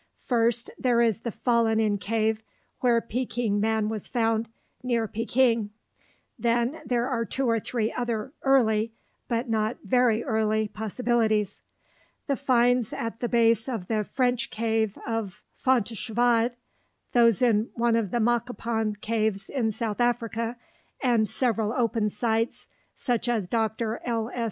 First, there is the fallen in cave where Peking man was found, near Peking. Then there are two or three other early, but not very early, possibilities. The finds at the base of the French cave of Fontéchevade, those in one of the Makapan caves in South Africa, and several open sites such as Dr. L.